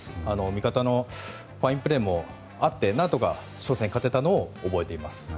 味方のファインプレーもあって何とか初戦を勝てたのを覚えています。